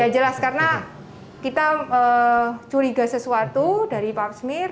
ya jelas karena kita curiga sesuatu dari parksmir